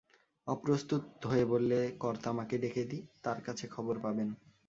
অপ্রস্তুত হয়ে বললে, কর্তা-মাকে ডেকে দিই, তাঁর কাছে খবর পাবেন।